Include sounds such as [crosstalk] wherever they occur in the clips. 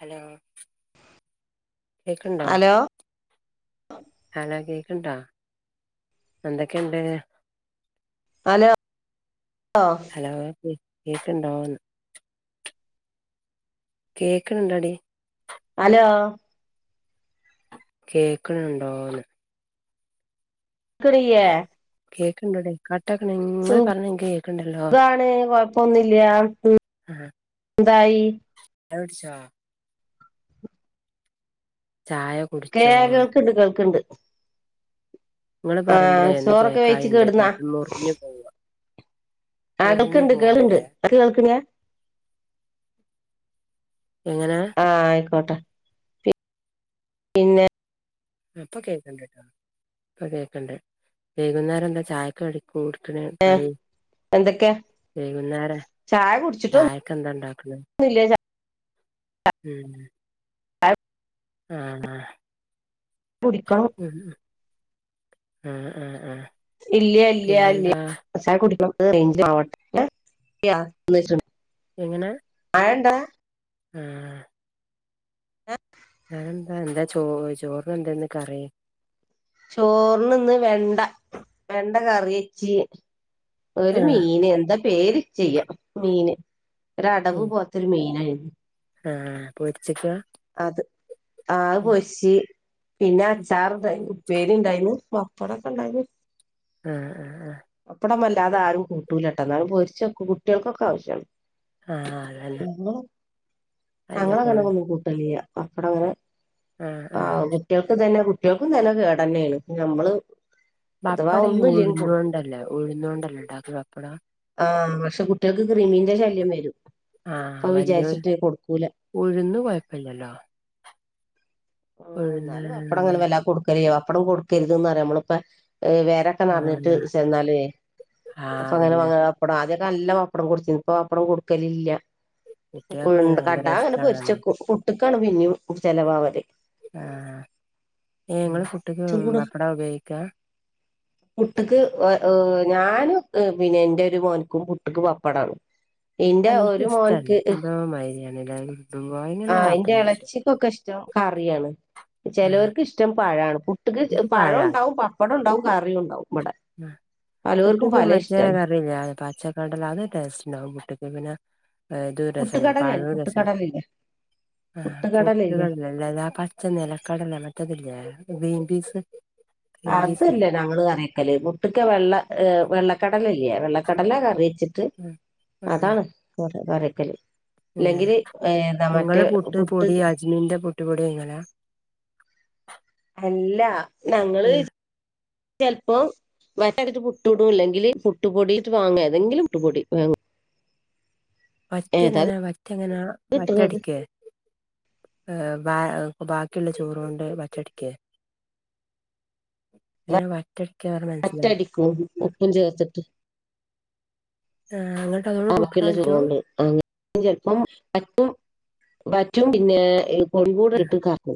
Hello കേക്ക്ണ്ടോ hello hello കേക്ക്ണ്ടോ എന്തൊക്കെണ്ട് അലോ [unintelligible] ഹലോ കേ കേക്ക്ണ്ടോന്ന് കേക്ക്ണ്‌ണ്ടൊടി അലോ കേക്ക്ണ്‌ണ്ടോന്ന് ക്റീയേ കേക്ക്ണ്ടെടി കട്ടാക്ക്ണ് ഇങ്ങെള് പറ്യ്ണെ ഇൻക്ക് കേക്ക്ണ്ടല്ലോ സുഖാണ് കൊഴപ്പൊന്നുമില്ല ആഹ് എന്തായി ങ്ങെള് കുട്‌ച്ചാേ ചായ കേ കുടിച്ചോ കേൾക്ക്ണ്ട് കേൾക്ക്ണ്ട് ഇങ്ങള് ആഹ് പറയുമ്പളേ ഒന്ന് ചോറൊക്കെ വെയ്ച്ച് കേക്കായിണ്ട് കെട്ന്നാ ചെലപ്പം മുറിഞ്ഞു പോവാ ആഹ് മുറിഞ്ഞു കേൾക്ക്ണ്ട് കേള്ണ്ട് പോവ്ണ്ടേ ൻക്ക് കേൾക്ക്ണ്‌ല്ലാ എങ്ങെനേ ആഹ് ആയ്ക്കോട്ടെ പി പിന്നെ ഉം ഇപ്പം കേക്ക്ണ്ട്ട്ടോ ഇപ്പം കേക്ക്ണ്ട് വൈകുന്നേരെന്താ ചായക്ക് കടി കൂട്ത്ത്ന് കടി എന്തൊക്കെ വെയ്കുന്നേര ചായക്കെന്താണ്ടാക്ക്ണ് ന്നുല്ല്യ ച [unintelligible] അ ആഹ് ആഹ് കുടിക്കണം [unintelligible] ആഹ് ആഹ് ആഹ് ഇല്ല്യ ല്ല്യാ ല്ല്യാ പിന്നെന്താ ചായ കുടിക്ക റെയ്ഞ്ച് ആവ [unintelligible] എങ്ങനാ ആണ്ടാ ആ ദറ്റ് ഞാനെന്താ എന്താ ചോ ചോറിന എന്താന്ന്ക്കറി ചോറിന് ഇന്ന് വെണ്ട വെണ്ട കറി വച്ചി ഒരു ആഹ് മീന് എന്താ പേര് ചെയ്യാം മീന് ഒ അടവ് പോലേ ഒര് മിയിനായിഴ ആഹ പൊച്ചക്ക അത് ആ പൊരിച്ച് പിന്നെ അച്ചാറുണ്ടായിരുന്നു ഉപ്പേരി ഇണ്ടായിരുന്നു പപ്പടൊക്കെ ഉണ്ടായിരുന്നു ആ അ അപ്പടം അല്ലാതൊരും കൂട്ടൂലട്ട എന്നാലും പൊരിച്ചെ കുട്ടികൾക്കൊക്കെ ആവശ്യമാണ് ആഹ അതന്നെ അയിന്റെ ഞങ്ങളങ്ങന കോണ് ഒന്നും കൂട്ടലില്ല അപ്പട അങ്ങനെ ആഹ് ആ ആഹ് കുട്ടിക തന്നെ കുട്ടികൾക്ക തന്നെ കേട് തന്നെയാണ് നമ്മള് അഥവാ പപ്പട ഈ ഒന്നുമില്ലെങ്കിൽ കൊടുക്കും ഉഴുന്നൊണ്ടല്ലേ ഉഴുന്നൊണ്ടല്ലേ ഉടാക്ക പപ്പട ആഹ പക്ഷെ കുട്ടികൾക്ക് ക്രിമീന്റെ ശല്യം വരും അപ്പൊ വിചാരിച്ചിട്ട് കൊടുക്കൂല ഉഴന്ന് കെയപ്പില്ലല്ലോ ആ എന്നാലും അപ്പടം നല്ല അങ്ങനെ വല്ല കൊടുക്കരു പപ്പടം കൊടുക്കരുതന് പറയാ നമ്മളിപ്പോ വേറെ അ നിറിഞ്ഞിട്ട് ആഹ് ചെന്നാലേ ആഹ് അപ്പൊ അങ്ങനെ അതന്നെ പപ്പടം ആദ്യൊക്കെല്ല പപ്പടം കൊടുത്തത് ഇപ്പൊ പപ്പംടുക്കലില്ല ഉ കുട്ട്യാക്കയ്ന് ഭയങ്കര കണ്ടഅങ്ങനെ പൊരിച്ച് ഇഷ്ടാണല്ലോ വെക്കും പുട്ട് കാണ് പിന്നും ചിലവാവല് ആഹ ഇങ്ങള് പ്പുട്ടിക്ക് പപ്പട ഉപയോഗിക്കാ അ പുട്ടക്ക് ഞാനുംപിന്നെ എന്റെഒരു മോനക്കും പുട്ട്‌ക്ക് പപ്പടാണ് ഇന്റെ അത് ഒരു ഇൻക്കിഷ്ടല്ല മോൻക്ക് എന്തോ മായിരിയാണ്ലേ തിന്നുമ്പോ ആ എങ്ങനെ അന്റെ പപ്പടം ഇളച്ചിക്കൊക്കെ ഇഷ്ടം കാ റിയാണ് ആഹ് ചിലവർക്ക് ഇഷ്ടം പഴമാണ് പുട്ടക്ക് ഇൻക്ക് പഴാ പഴംണ്ടാവും പപ്പടംണ്ടാവും കറിയും ഉണ്ടാവും ഇവിടെ പലവർക്കും പുട്ടക്ക് പല മറ്റെ ഇഷ്ടമാണ് കറില്ല പച്ചക്കടലഅത് ടേസ്റ്റ് ഉണ്ടാവും പുട്ടക്ക് പിന്നെ ഏ ദുരസന പുട്ടുകടലല്ലേ പഴുരസന പുട്ടുകടലില്ലേ ആ പുട്ടുകടലില്ലേ പുട്ട്കട അല്ലല്ലാ പച്ചന്നിലക്കടല്ല മറ്റതില്ലേ ഗ്രീബീൻ പീസ് ഗ്രീൻ പീസില്ലേ അതല്ലേഅങ്ങൾകറിയക്കല് പുട്ടക്ക് വെള്ള ഏ വെള്ളക്കടലല്ലേ വെള്ളക്കടല കറിയിച്ചിട്ട് ഉം അതാണ് ഇവടെ കറി വെക്കല് നിങ്ങൾ പുട്ട് പൊടി അജ്മീൻ്റെ പുട്ടുപൊടി വാങ്ങലണ് അല്ല ഞങ്ങള് ഉം ചേലപ്പോം വര അടുത്ത് പുടഇല്ലങ്കിൽ പുട്ടു പൊടിയിട്ട് വാങ്ങ ഏതെങ്കില പുട്ടപൊടിവാങ്ങും വറ്റ എങ്ങനാ വറ്റ എങ്ങനാ കിട്ടണത് വറ്റടക്ക് ബാക്കിയുള്ള ചോറ്കൊണ്ട് പറ്റടിക്ക ൻ വറ്റെടുക്കറെ മനസ്സിലായി ഓഉപ്പ് ചേർത്തിട്ട് ആ അ അവക്കുള്ള ചുഖമുണ്ട് അങ്ങന ചിലപ്പം പറ്റും പറ്റും പിന്നെ ഒവോട് ആഹ് ഇട്ട് കാക്ക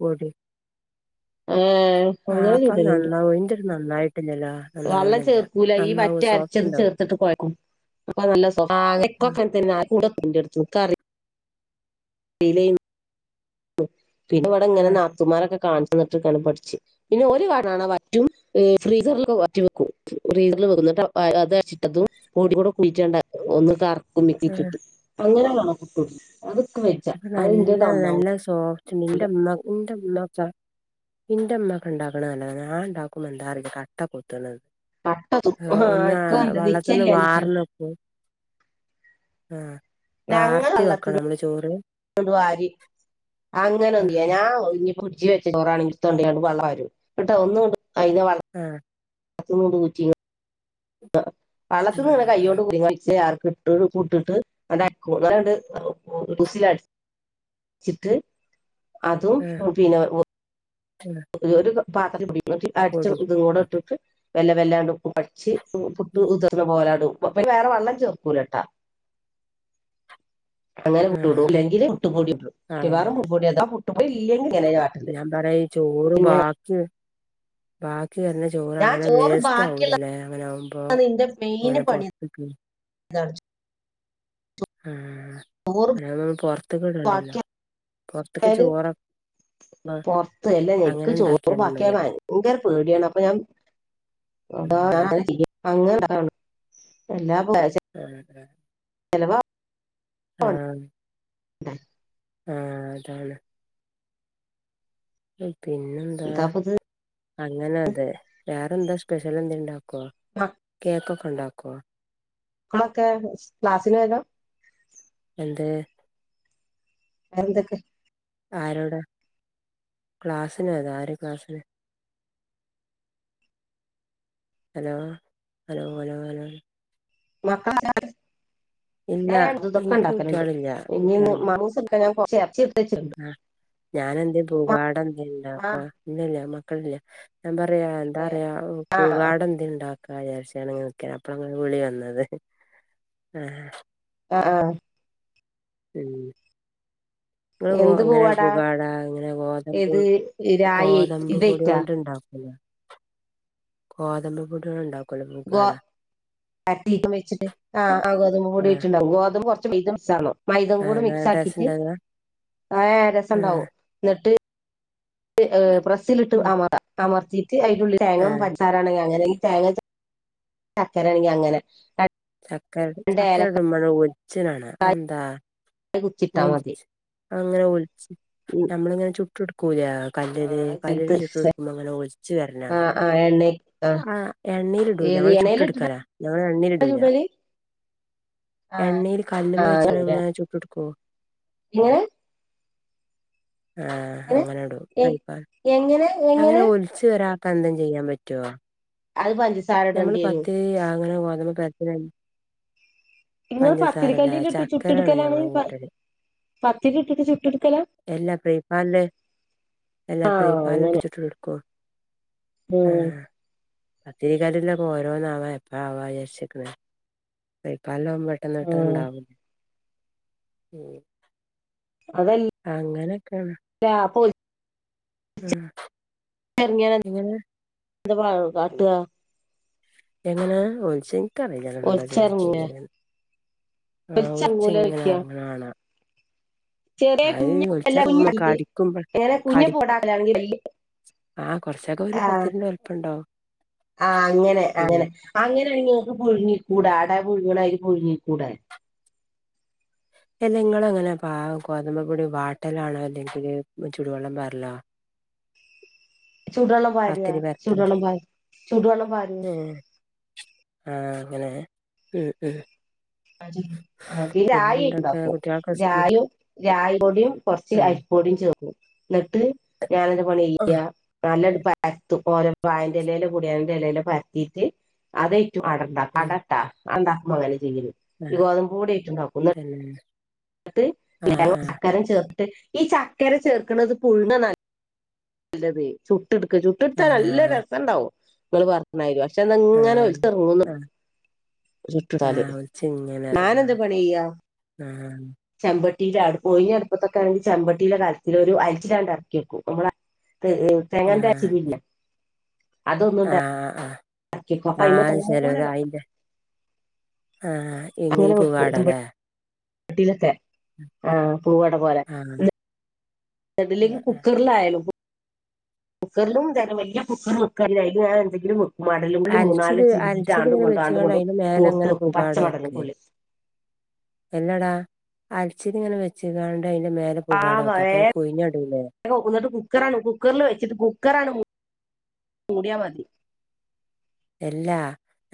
പൊടി ആഹ ആഹ് അങ്ങനെ അപ്പൊ ചൂതല്ണ്ട് നന്നാവും എന്റെത് നന്നായിട്ടില്ലല്ലോ വള്ളം നന്നാവണില്ല ചേർക്കൂല ഈ നന്നാവോ വറ്റാര സോഫ്റ്റ് ച്ചത് ഉണ്ടോ ചേർത്തിട്ട് കൊഴ്ക്കും. അപ്പൊ നല്ല സോ ആഹ് [unintelligible] ഇൻക്കറിയ [unintelligible] പിന്നെ ഇവിടെ ഇങ്ങനെ ആഹ് നാത്തുമാരൊക്കെ കാണിച്ചുന്നിട്ട് കാണ പഠിച്ച പിന്നെ ഓല് കാട്ട്ണാണ വറ്റും ഫ്രീസറിലൊക്കെ വറ്റ് വെക്കും ഫ്രീസറിൽ വെക്കുന്നട്ട് അത് അര്ച്ചിട്ടതും പൊടികൂടെ കൂട്ടീറ്റ അര ഒന്ന് കറക്കും മിക്സിൽ ആഹ് ഇട്ട്ട്ട് അങ്ങനെ വാണം പുട്ടുപൊടി അതൊക്കെ [unintelligible] അപ്പ നല്ല ഇന്റേത് നന്നാവും നല്ല സോഫ്റ്റ്ണ്ട്. നിന്റെമ്മ, നിന്റെമ്മ [unintelligible] ഇന്റെ ഇമ്മക്കെ ഉണ്ടാക്ക്ണ നല്ലതാ. ഞാൻ ഉണ്ടാക്കുമ്പോ എന്താ അറിയില്ല. കട്ട കുത്ത്ണത്. കട്ടതും ആ ഒന്ന് ഇക്ക് നല്ല വള്ളത്ത്ന്ന് നിച്ചല്ലാഞ്ഞിട്ടാണ് വാർന്നക്കും ആഹ് ഞങ്ങൾ വാർത്തി വെക്കണം വെള്ളത്തിന്നണ്ട് നമ്മള് ചോറ് വാരി അങ്ങനെ [unintelligible] ആഹ് [unintelligible] വെച്ച ചോറാണെങ്കി ഇട്ത്തൊണ്ടയ്ക്കാണ്ട് വള്ളം പാരും. എന്നിട്ട് അത് ഒന്ന്ങ്ങട്ട് അയിൻ്റെ വെള്ളം ആഹ് [unintelligible] വള്ളത്ത്ന്ന് ഇങ്ങനെ ആഹ് ആഹ് കയ്യോണ്ട് കോരി [unintelligible] [unintelligible] ച്ചിട്ട് അതും ആഹ് പിന്നെ [unintelligible] [unintelligible] ഒരു പാത്രത്തിൽ പിടിച്ചു, അടിച്ച പൊടി ഇതും കൂടെ ഇട്ടിട്ട് വെല്ല വെല്ലാണ്ട് ഒന്ന് അടിച്ച് പുട്ട് ഉതിർന്ന പോലെ അങ്ട്ട് അയ്ക്ക് പിന്നെ വേറെ വള്ളം ചേർക്കൂലട്ടാ അങ്ങനെ പുട്ട് ചുടും, ആഹ് ഇല്ലെങ്കിൽ പുട്ട് പൊടി ആഹ് മിക്കവാറും പുട്ട് പൊടി [unintelligible] പുട്ടുചുടും. പുട്ടുപൊടി ഇല്ലെങ്കിൽ [unintelligible] എന്താ പറയാ ഈ ചോറ് പിന്നെ ബാക്കി, ബാക്കി വരുന്ന [unintelligible] ചോറ് ഞാൻ അങ്ങനെ ചോറ് വേസ്റ്റ് ബാക്കിയുള്ളതാണ് ആവൂല്ലല്ലേ. അങ്ങനെ ആകുമ്പോ. ഇന്റെ മെയിൻ അങ്ങനെ പണി [unintelligible] [unintelligible] ആ ചോറ് അതാവുമ്പോ പൊർത്ത്ക്ക് ഇടണ്ടല്ലോ. ബാക്കി പൊർത്ത്ക്ക് ചോറ് പൊർത്ത്, എല്ലാ നിക്ക് ചോറ് മതിയല്ലോ ബാക്കിയാവുന്നത് ഭയങ്കര പേടിയാണ്. അപ്പൊ ഞാൻ ആഹ് [unintelligible] ആഹ് ആഹ് [unintelligible] ആഹ് അതാണ്. പിന്നെന്താ എന്താപ്പത് അങ്ങനെ അത് വേറെന്താ സ്പെഷ്യൽ എന്തേലുണ്ടാക്കോ ആഹ് കേക്കൊക്കെ ഉണ്ടാക്കോ മക്കളൊക്കെ ക്ലാസ്സിന് പോയതാ? എന്ത് വേറെ എന്തൊക്കെ ആരോടാ, ക്ലാസ്സിന് പോയതോ, ആര് ക്ലാസ്സിന് ഹലോ ഹലോ ഹലോ ഹലോ മക്കള് [unintelligible] ഇല്ല ഞാന് അതു ഇതൊക്കെ എനിക്ക് ഇണ്ടാക്കല്ണ്ട്. കുട്ട്യാളില്ല ഇനി ഇന്ന് മോമൂസ് ഉണ്ടാക്കാൻ ഞാൻ കൊർച്ച് എറച്ചി എടുത്തു ആഹ് ഞാനെന്ത് പൂഗാട എന്ത് ഇണ്ടാക്ക. ആ ഇല്ലല്ല മക്കളില്ല. ഞാൻ പറയാ, എന്താ പറയാ ആ പൂഗാഡ എന്തെലും ഉണ്ടാ ക്കാ വിചാരിച്ച് ഞാനങ്ങനെ നിക്കാണ്. അപ്പളാ നിങ്ങളെ വിളി വന്നത്. ആഹ് ആഹ് ആഹ് [unintelligible] ഇങ്ങള് എന്ത് ഇങ്ങനെ പൂവാടാ പുകാട, ഇങ്ങനെ ഗോതമ്പ്, ഏത് രായി ഗോതമ്പ് പൊടി ഇതേറ്റാ കൊണ്ട് ഇണ്ടാക്കൂല്ലേ [inaudible] ഗോതമ്പ് പൊടിയൊണ്ട് ഉണ്ടാക്കും ഗോ അട്ടിയിട്ട് വെച്ചിട്ട് ആ ആ ഗോതമ്പ് പൊടി ആഹ് കൊണ്ടുണ്ടാക്കും. ഗോതമ്പും കുറച്ച് മൈദയും ആഹ് കൂടി നല്ല ടേസ്റ്റ് മിക്സാക്കിയിട്ട്. ഇണ്ടാകാ ആ ഏഹ് രസം ഉണ്ടാവും. ആഹ് എന്നിട്ട് ഏഹ് പ്രസ്സിലിട്ട് ഉം അമർത്തിയിട്ട് അതിനുള്ളിൽ തേങ്ങ, ആഹ് പഞ്ചസാര ആണങ്കിൽ അങ്ങനെ. ഈ തേങ്ങ ശർക്കര ആണെങ്കിൽ അങ്ങനെ ചക്കര. രണ്ട് ഏല ചക്കരയിടുമ്പോൾ അങ്ങ ഒലിച്ണെ കാണാം അത് എന്താ കുത്തിട്ടാ മതി ഒലിച്ച്, അങ്ങനെ ഒലിച്ച്. ഉം ഞമ്മളിങ്ങനെ ചുട്ട് എടുക്കൂല്ലേ. ആ കല്ലില്, ചെലത് കല്ലില് ചുട്ട് എടുക്കുമോ അങ്ങനെ ഒലി ച്ച് വര്ണെ ആ കാണാം ആ എണ്ണ ആ ആഹ് എണ്ണീൽ ഇടൂല. ഏത് ഞങ്ങള് ചുട്ട് എണ്ണയില് ഇട്ടിട്ടാ എടുക്കലാ. ഞങ്ങള് എണ്ണീൽ ഇടൂല ചുടല് എണ്ണയിൽ ആ കല്ലുമ്മൽ വെച്ച് ഇങ്ങനെ ചുട്ടെടുക്കും ഏഹ് ആഹ് എങ്ങനെ അങ്ങനെഇടും ഏ എങ്ങനെ അങ്ങനെ എങ്ങനെ ഒലി ച്ച് വരത്തെ എന്തേലും ചെയ്യാൻ പറ്റുവോ? അത് പഞ്ചസാര നമ്മള് ഇടേണ്ടി വരും പത്ത് അങ്ങനെ ഗോതമ്പ് പര നിങ്ങൾ പഞ്ചസാരല്ലേ പത്തിരിക്കല്ലിൽ ഇട്ട് ചക്കരാണ് ചുട്ടെടുക്കലാണ് ഞങ്ങളടെ കൂട്ടല് പത്തിരി ഇട്ടിട്ട് ചുട്ടെടുക്കലാ എല്ല ഫ്രൈപാൻല് എല്ലാ ആ ഫ്രൈപാനില്ട്ട് ചുട്ട് എടുക്കും ഉം ആഹ് പത്തിരികല്ല്ന്നക്കെ ഓരോന്ന് ആവാ എപ്പ ആവാ വിജര്ച് ആഹ് ഫ്രൈപാനിൽ പെട്ടന്ന് ഉം പെട്ടന്നണ്ടാവും അതല്ല അങ്ങനെയൊക്കെയാണ് ല്ല അപ്പൊല് [unintelligible] ചെറങ്ങിയ എങ്ങനെ എന്തപ കാട്ടുക എങ്ങനെത എനിക്കറിണ്ട് ഒലിച്ചിറങ്ങ ചെയ്യല ആഹ് ഒലിച്ചിറങ്ങൂല ഒലിച്ങ്ങനെ വെക്കാ ഇറങ്ങണ കാണാ ചെറിയ അത് കുഞ്ഞ ഒലിച് കുഞ്ഞ ഇറങ്ങുമ്പോ കടിക്കുമ്പ എങ്ങനെ കുഞ്ഞപ്പ കടിക്കും ഉണ്ടാക്കലാണെങ്കിൽ ആഹ് കൊറച്ചൊക്കെ ഒരു പത്തിരിന്റെ വല്പ്പം ഉണ്ടാവും ആഹ് അങ്ങനെ അങ്ങനെ അങ്ങനെ ആണെങ്കിൽങ്ങക്ക് പുഴുങ്ങിക്കൂടാ അട പുഴുങ്ങണാതിരി പുഴുങ്ങിക്കൂടാ അല്ല ഇങ്ങള് എങ്ങനെ പ ഗോതമ്പപൊടി വാട്ടലാണോ അല്ലെങ്കില് ചുടുവെള്ളം പാരലോ ചൂടുവെള്ളം ഒഴിക്ക പത്തിരി പരത്താൻ ചൂടുവെള്ളം ഒഴിക്കാ ചൂടുവെള്ളം ഒഴിക്ക ഏഹ് ആഹ് അങ്ങനെ മ്മ് മ്മ് ആ പിന്നെ പിന്നെന്തൊക്കെ ആരിട്ടണ്ടാക്കും കുട്ട്യാൾക്ക് സ്കൂൾ രായ രായോടിയും കുറച്ച് ആഹ് അരിപ്പോടിയും ചേർക്കും എന്നിട്ട് ഞാനെന്ത്‌ പണിചെയ്യ ആഹ് നല്ലൊരു ഉം പ പരത്തും ഓരോ വാഴന്റെ ഇലയിലും കുടിയാണ്ട് ഇലലോ പരത്തിയിട്ട് അത് ഏറ്റും ആഹ് ക ാ അതെന്താകും [unintelligible] അങ്ങനെ ചെയ്യും പിന്നെ ഗോതമ്പ് പൊടി കൂടിയിട്ടുണ്ടാക്കും ഉം [unintelligible] ചക്കര ചേർത് ഈ ചക്കര ചേർക്കണത് പുഴണ് നല്ല പേ ചുട്ട് എടുക്ക ചുട്ട് എടുത്താൽ നല്ല ആഹ് രസം ഉണ്ടാവും നിങ്ങള് പറഞ്ഞമാതിരി പക്ഷെ ഇങ്ങനെ ആഹ് ഒലിച് ഇറങ്ങന്നൊള്ളു ആഹ് ചുട്ടുതാല് ആഹ് ഞനെന്ത് പണി ചെയ്യാ അഹ് ചമ്പട്ടിയിലക്കും ഒയിഞ്ഞ അടുപ്പത്തൊക്കെ ആണെങ്കിൽ ചമ്പട്ടിയിലെ കലത്തിൽ ഒരു അരാചാണ്ട് രണ്ട് ഏറക്കിവെക്കും നമ്മള തേങ്ങാന്റെ ആ ആഹ് [unintelligible] പിരിഞ്ഞ ആഹ് ആ ആഹ് അപ്പൊ ആ അയിമെ അത്ശരി തോനെ ഒരു അ വെക്കും ആഹ് എങ്ങീ പുവാടല്ലേ വട്ടിലൊക്കെ ആ പൂവട പോലെ ആഹ് [unintelligible] കുക്കറിലായയാലും കുക്കറിലും ത വലിയ കുക്കർവെക്കാണങ്കില് ആയില് ഞാൻ എന്തെങ്കിലും വാക്കും മടലും പുള്ളി മൂന്നാല അൽച്ചില് ചീഞ്ചിട്ട് ആണ്ടും അൽച്ചിലിങ്ങനെ ഇണ്ടും ആണ്ടും വെച്ച്കാണ്ട് ഇണ്ടും അയിന്റെ കോത്ത് മേലെങ്ങനെ വെക്കും പച്ച പുകാട മടലും കൊള്ളി [inaudible] എല്ലാടാ അലച്ചില്ങ്ങനെ വെച്ച്ങ്ങാണ്ട് അതിന്റെ മേലെ ആ പുകാട വെക്കെ വേ അപ്പൊ കൊഴഞ്ഞ ടുല്ലേ എന്നിട്ട് കുക്കറാണ് കുക്കറിൽ വെച്ചിട്ട് കുക്കറാണ് മുട്ട്യാമതി എല്ലാ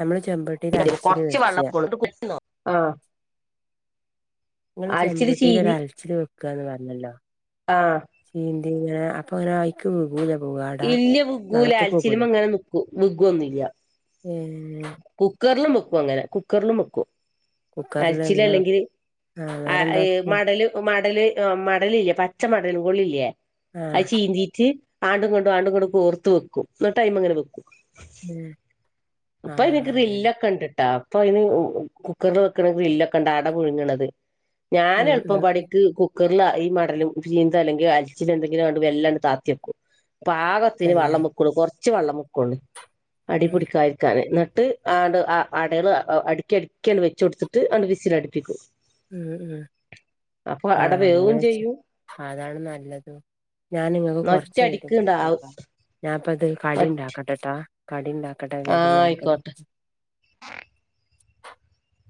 നമ്മള് ചെമ്പ [inaudible] കൊറച്ച് വള്ളം വെക്കെള്ളൂ [inaudible] ആ നിങ്ങള് ചെമ്പുട്ടിൽ ഒരലച്ചില് വെക്കാന്ന് പറഞ്ഞല്ലോ ആഹ് ചീന്തി ഇങ്ങനെ അപ്പൊ അങ്ങനെയി ക്ക് മുങ്ങൂലെ പുവട ഇല്ല വിഗ്ഗൂല വെള്ളത്തി അൽച്ചിലുമ പോകൂല്ലേ അങ്ങനെ നിക്കും വിഗ്ഗൊന്നുല്ല ഏഹ് കുക്കറിലും വെക്കും അങ്ങനെ കുക്കറിലും വെക്കും അലച്ചില കുക്കറിലെങ്ങനെ ല്ലെങ്കില് വെക്കാ ആ വേറെന്താ വെക്കാ മടല് മടല് മടലില്ലേ പച്ച മടലും കൊള്ളില്ലേ അത് ആഹ് ചീന്തിട്ട് ആണ്ടും ഇണ്ടും ആണ്ടും ഇണ്ടും ഓർത്ത് വെക്കും ഇനിട്ട് അയ്മേ ങ്ങനെ വെക്കും ഏഹ് അപ്പൊ അതിന് ഗ്രില്ലൊക്കെ ഉണ്ട്ട്ടാ അപ്പ അതിന് കുക്കറിൽ വെക്കണ ഗ്രില്ലൊക്കെ ഉണ്ട അട പുഴുങ്ങണത് ഞാന് ഉം എളുപ്പം ഉം ഉം പണിക്ക് കു കറില്ലാ ഈ മടലും ചീന്ത അല്ലെങ്കിൽ അലച്ചില് എന്തെങ്കിലും വല്ലാണ്ട് താത്തിക്കും പാ കതിന് തന്നെ വെള്ളംവെക്കുള്ളു കെറച്ച് വെള്ളം വെകള്ളു ആഹ് അടിപ്പിടിക്കാ ക്കന് എന്നിട്ട് ആ ആണ്ട് അടള് അടുക്കി അടുക്കിണ്ട് വെച്ച് കൊടുത്തിട്ട് അങ്ങ്ട് വിസിൽ അടിപ്പിക്കും ഉം ഉം അട ആഹ് അങ്ങനെ വേവും വെച്ച ചെയ്യും അതാണ് നല്ലത് ഞാന് ഇങ്ങക്ക് കൊറച് ഒറ്റ കയിഞ്ഞിട്ട് വിളിക്കാ അടിക്ക്ണ്ടാവും ട്ടോ ഞാപ്പതേ കടി ഇണ്ടാക്കട്ടെ ട്ടോ കടി ഇണ്ടാക്കട്ടെ ആ വൈകുന്നേര കടി ആയിക്കോട്ടെ